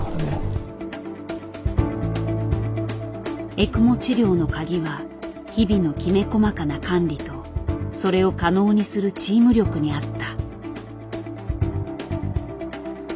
エクモ治療の鍵は日々のきめ細かな管理とそれを可能にするチーム力にあった。